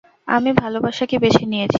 আমি ভালোবাসাকে বেছে নিয়েছি।